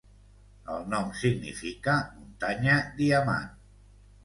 El nom significa Muntanya Diamant.